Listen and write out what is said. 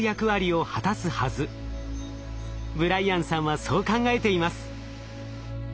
ブライアンさんはそう考えています。